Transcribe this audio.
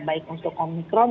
baik untuk omikron